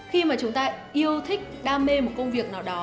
khi mà chúng ta yêu thích đam mê một công việc nào đó